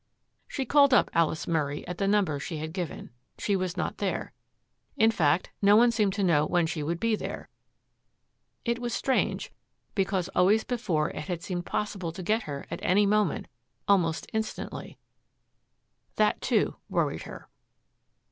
She called up Alice Murray at the number she had given. She was not there. In fact, no one seemed to know when she would be there. It was strange, because always before it had seemed possible to get her at any moment, almost instantly. That, too, worried her.